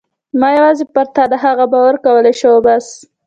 ما یوازې پر تا د هغه باور کولای شو او بس.